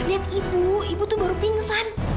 lihat ibu ibu tuh baru pingsan